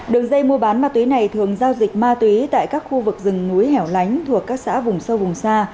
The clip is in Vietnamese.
đường dây mua bán ma túy này thường giao dịch ma túy tại các khu vực rừng núi hẻo lánh thuộc các xã vùng sâu vùng xa